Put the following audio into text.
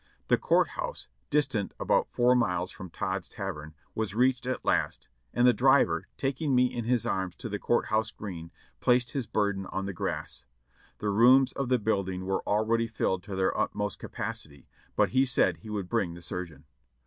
The Court House, distant about four m.iles from Todd's Tav ern, w^as reached at last, and the driver, taking me in his arms to the court house green, placed his burden on the grass. The rooms of the building were already filled to their utmost capa city, but he said he would bring the surgeon.